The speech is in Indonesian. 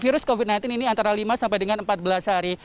virus covid sembilan belas ini antara lima sampai dengan empat belas hari